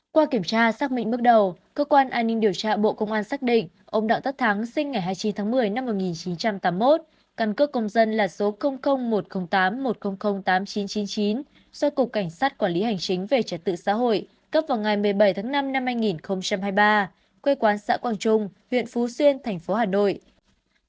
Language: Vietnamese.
qua kiểm tra xác minh bước đầu cơ quan an ninh điều tra bộ công an xác định ông đặng tất thắng sinh ngày hai mươi chín tháng một mươi năm một nghìn chín trăm tám mươi một căn cước công dân là số một không tám một không không tám chín chín chín do cục cảnh sát quản lý hành chính về trật tự xã hội cấp vào ngày một mươi bảy tháng năm năm hai nghìn hai mươi ba quê quán xã quang trung huyện phú xuyên thành phố hà nội